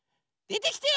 でてきて！